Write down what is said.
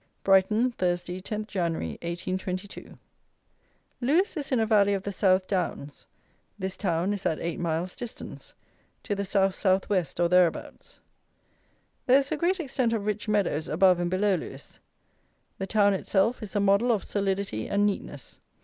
Brighton, Thursday, 10 Jan., 1822. Lewes is in a valley of the South Downs, this town is at eight miles' distance, to the south south west or thereabouts. There is a great extent of rich meadows above and below Lewes. The town itself is a model of solidity and neatness.